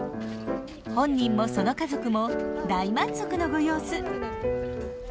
本人もその家族も大満足のご様子。